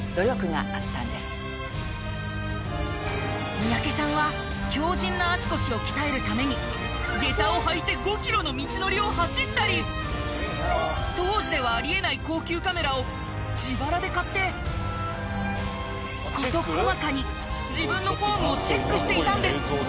三宅さんは強靱な足腰を鍛えるために下駄を履いて５キロの道のりを走ったり当時ではあり得ない高級カメラを自腹で買って事細かに自分のフォームをチェックしていたんです。